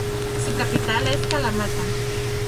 Su capital es Kalamata.